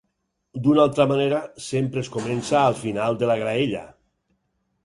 D'una altra manera, sempre es comença al final de la graella.